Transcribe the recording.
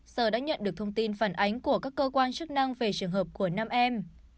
sở đã nhận được thông tin phản ánh của các cơ quan chức năng về trường hợp của năm em